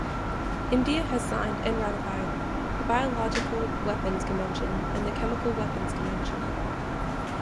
India has signed and ratified the Biological Weapons Convention and the Chemical Weapons Convention.